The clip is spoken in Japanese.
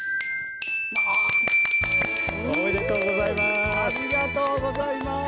おめでとうございます。